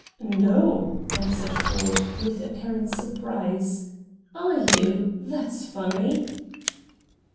"No," answered Ford, with apparent surprise. "Are you? That's funny."